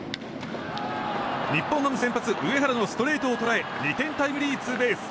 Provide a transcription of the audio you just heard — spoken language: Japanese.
日本ハム先発上原のストレートを捉え２点タイムリーツーベース。